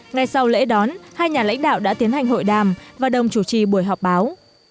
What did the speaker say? ngay sau lễ đón hai nhà lãnh đạo đã tiến hành hội đàm và đồng chủ trì buổi họp báo